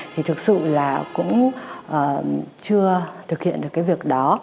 thì thực sự là cũng chưa thực hiện được cái việc đó